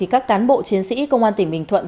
các cán bộ chiến sĩ công an tỉnh bình thuận